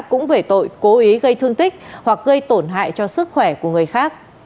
cũng về tội cố ý gây thương tích hoặc gây tổn hại cho sức khỏe của người khác